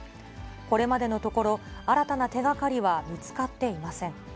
これまでのところ、新たな手がかりは見つかっていません。